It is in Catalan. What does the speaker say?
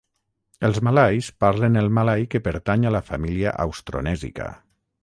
Els malais parlen el malai que pertany a la família austronèsica.